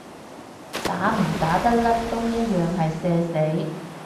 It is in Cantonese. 打唔打得甩都一樣係社死